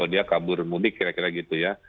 dia kabur mudik kira kira gitu ya